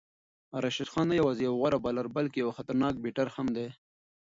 راشد خان نه یوازې یو غوره بالر بلکې یو خطرناک بیټر هم دی.